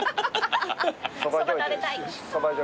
そば食べたい。